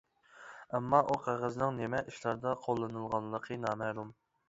ئەمما ئۇ قەغەزنىڭ نېمە ئىشلاردا قوللىنىلغانلىقى نامەلۇم.